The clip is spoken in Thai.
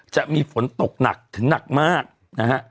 จะมีฝนตกหนักถึงหนักมากนะฮะ